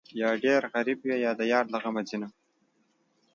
یا ډېر غریب وي، یا د یار له غمه ځینه